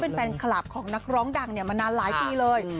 เป็นแฟนคลับของนักร้องดังมานานหลายปีเลย